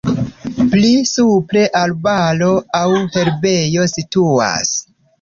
Pli supre arbaro aŭ herbejo situas.